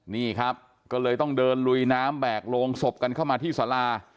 นี่ครับก็เลยต้องเดินลุยน้ำแบกโรงศพกันเข้ามาที่สารา